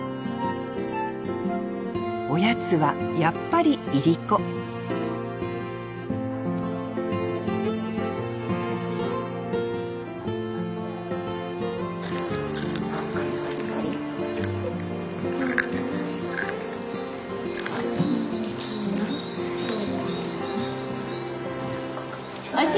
おやつはやっぱりいりこおいし？